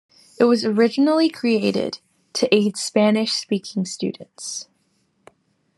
It was originally created to aid Spanish-speaking students.